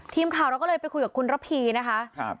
ทีมข่าวเราก็เลยไปคุยกับคุณระพีนะคะ